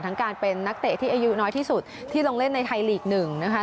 การเป็นนักเตะที่อายุน้อยที่สุดที่ลงเล่นในไทยลีก๑นะคะ